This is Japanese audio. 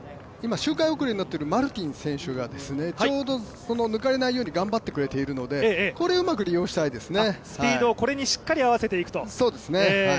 周回遅れになっているマルティン選手がちょうど抜かれないように頑張ってくれているのでこれをうまく利用したいですね。